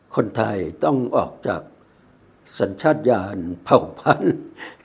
คนไทยต้องออกจากสัญชาติยานเผ่าพันธุ์